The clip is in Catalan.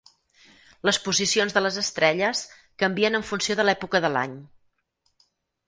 Les posicions de les estrelles canvien en funció de l'època de l'any.